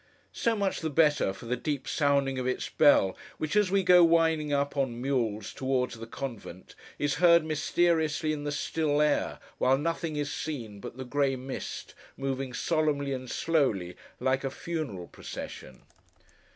So much the better, for the deep sounding of its bell, which, as we go winding up, on mules, towards the convent, is heard mysteriously in the still air, while nothing is seen but the grey mist, moving solemnly and slowly, like a funeral procession.